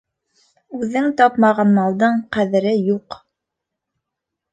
Үҙең тапмаған малдың ҡәҙере юҡ.